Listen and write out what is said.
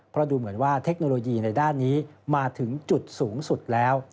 เพราะดูเหมือนว่าเทคโนโลยีในด้านนี้มาถึงจุดสูงสุดแล้ว